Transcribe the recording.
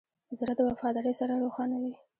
زړه د وفادارۍ سره روښانه وي.